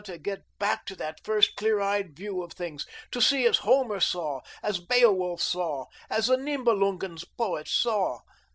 Ah, to get back to that first clear eyed view of things, to see as Homer saw, as Beowulf saw, as the Nibelungen poets saw.